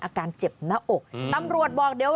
อาการเจ็บหน้าอกตำรวจบอกเดี๋ยว